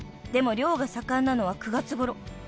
［でも漁が盛んなのは９月ごろ］